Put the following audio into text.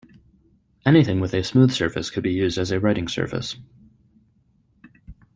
Anything with a smooth surface could be used as a writing surface.